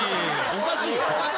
おかしい。